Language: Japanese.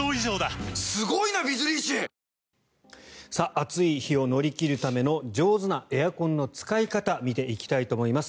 暑い日を乗り切るための上手なエアコンの使い方見ていきたいと思います。